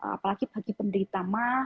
apalagi bagi penderita mah